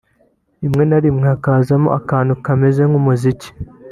rimwe na rimwe hakazamo n’akantu kemze nk’umuziki